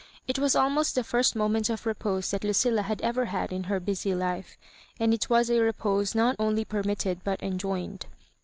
It was almost the first moment of repose that Lucilla had ever had in her busy life, and it was a repose not only permitted but enjoined.